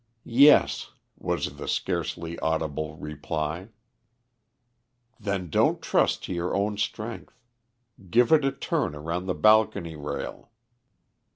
"Yes," was the scarcely audible reply. "Then don't trust to your own strength. Give it a turn around the balcony rail."